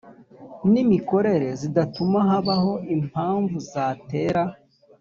n imikorere zidatuma habaho impamvu zatera